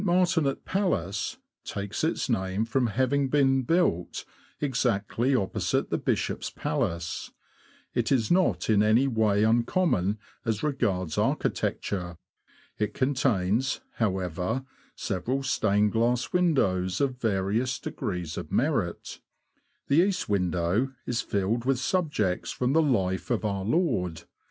Martin at Palace takes its name from having been built exactly opposite the Bishop's Palace. It is not in any way uncommon as regards architecture. It contains, however, several stained glass windows, of various degrees of merit. The east window is filled with subjects from the life of our Lord.